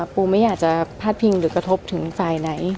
ปูไม่อยากจะพาดพิงหรือกระทบถึงฝ่ายไหน